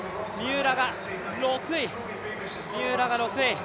三浦が６位。